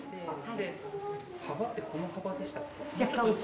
幅ってこの幅でしたっけ？